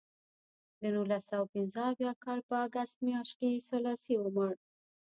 د نولس سوه پنځه اویا کال په اګست میاشت کې سلاسي ومړ.